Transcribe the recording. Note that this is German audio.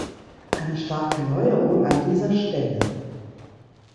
Eine starke Neuerung an dieser Stelle.